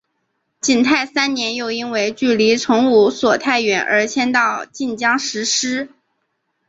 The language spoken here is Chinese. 景泰三年又因为距离崇武所太远而迁到晋江石狮。